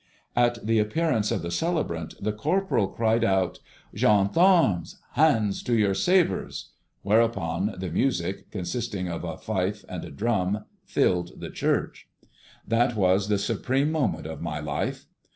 At the appearance of the celebrant the corporal cried out, "Gendarmes, hands to your sabres!" Whereupon the music, consisting of a fife and a drum, filled the church. That was the supreme moment of my life.